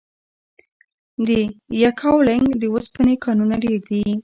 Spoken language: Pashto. د یکاولنګ د اوسپنې کانونه ډیر دي؟